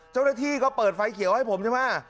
เจ้าหน้าที่ก็เปิดไฟเขียวให้ผมใช่ไหม